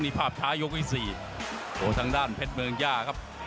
นี่ภาพช้ายกที่๔โหทางด้านเพชรเมืองย่าครับ